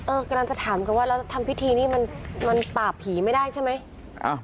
กำลังจะถามกันว่าแล้วทำพิธีนี้มันปราบผีไม่ได้ใช่ไหม